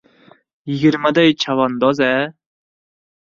— Yigirmaday chavandoz-a!